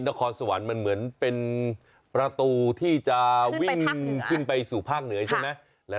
นครสวรรค์มันเหมือนเป็นประตูที่จะวิ่งขึ้นไปสู่ภาคเหนือใช่ไหม